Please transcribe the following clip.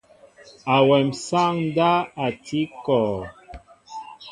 Awém sááŋ ndáw a tí kɔɔ.